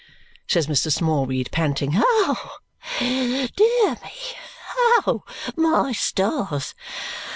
says Mr. Smallweed, panting. "Oh, dear me! Oh, my stars!